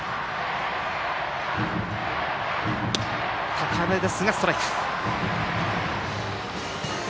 高めですが、ストライク。